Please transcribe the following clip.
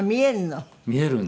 見えるの？